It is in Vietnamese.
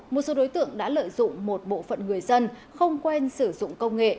một số đối tượng đã lợi dụng một bộ phận người dân không quen sử dụng công nghệ